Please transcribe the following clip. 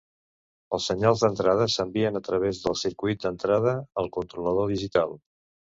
Els senyals d'entrada s'envien a través del circuit d'entrada al controlador digital.